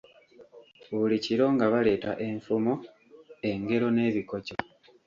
Buli kiro nga baleeta enfumo, engero n'ebikokyo.